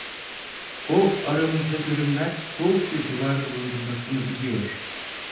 O, aramızda görünmez, soğuk bir duvar bulundurmasını biliyor.